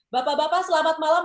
bapak bapak selamat malam